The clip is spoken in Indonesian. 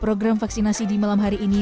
program vaksinasi di malam hari ini